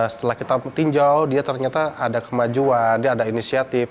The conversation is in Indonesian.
setelah kita tinjau dia ternyata ada kemajuan dia ada inisiatif